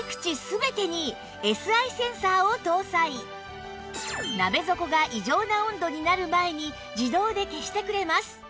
そして鍋底が異常な温度になる前に自動で消してくれます